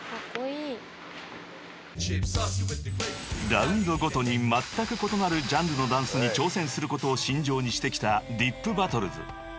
［ラウンドごとにまったく異なるジャンルのダンスに挑戦することを信条にしてきたｄｉｐＢＡＴＴＬＥＳ］